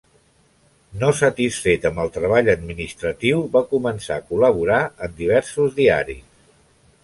No satisfet amb el treball administratiu, va començar a col·laborar en diversos diaris.